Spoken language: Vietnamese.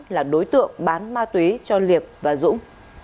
là đối tượng bán ma túy cho liệt và dũng